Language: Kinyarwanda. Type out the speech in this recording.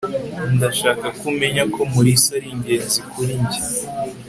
ndashaka ko umenya ko mulisa ari ingenzi kuri njye